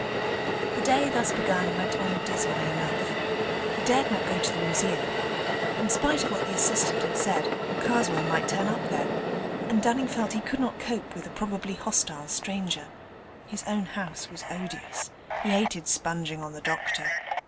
The day thus begun went on dismally enough. He dared not go to the Museum: in spite of what the assistant had said, Karswell might turn up there, and Dunning felt he could not cope with a probably hostile stranger. His own house was odious; he hated sponging on the doctor.